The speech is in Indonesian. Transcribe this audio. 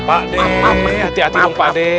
pade hati hati dong pane